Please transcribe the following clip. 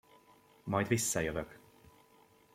Majd visszajövök!